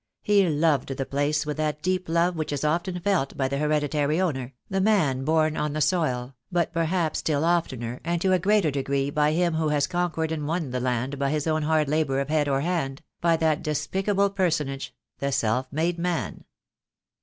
He loved the place with that deep love which is often felt by the hereditary owner, the man born on the soil, but perhaps still oftener, and to a greater degree by him who has conquered and won the land by his own hard labour of head or hand, by that despicable per sonage, the self made man.